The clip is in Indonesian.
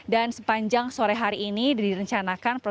dan sepanjang sore hari ini direncanakan prosesnya